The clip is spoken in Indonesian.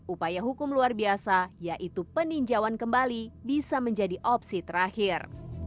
upaya hukum luar biasa yaitu peninjauan kembali bisa menjadi opsi terakhir